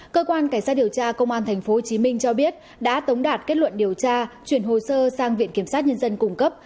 cơ quan cảnh sát điều tra công an tp hcm cho biết đã tống đạt kết luận điều tra chuyển hồ sơ sang viện kiểm sát nhân dân cung cấp